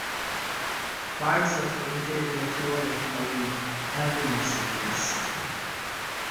Parts of the interior floor of Darwin have been resurfaced.